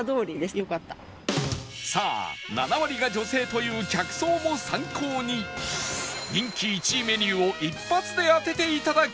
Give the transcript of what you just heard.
さあ７割が女性という客層も参考に人気１位メニューを一発で当てて頂こう！